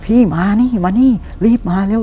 พี่มานี่มานี่รีบมาเร็ว